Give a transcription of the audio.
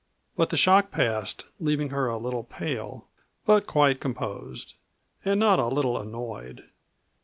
But the shock passed, leaving her a little pale, but quite composed and not a little annoyed.